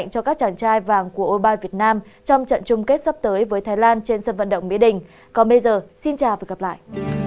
còn bây giờ xin chào và gặp lại